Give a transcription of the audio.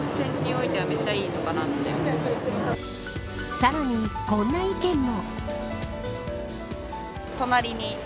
さらに、こんな意見も。